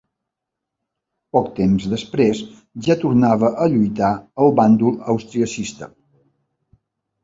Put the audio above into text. Poc temps després ja tornava a lluitar al bàndol austriacista.